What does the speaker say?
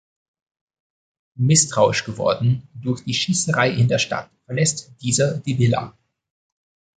Misstrauisch geworden durch die Schießerei in der Stadt verlässt dieser die Villa.